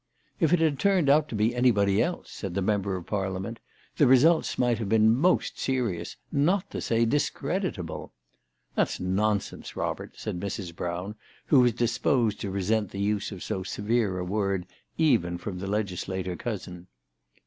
" If it had turned out to be anybody else," said the member of Parliament, " the results might have been most serious, not to say discreditable." " That's nonsense, Robert," said Mrs. Brown, who was disposed to resent the use of so severe a word, even from the legislator cousin.